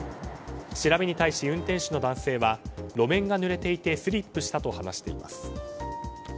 調べに対し、運転手の男性は路面がぬれていてスリップしたと話しています。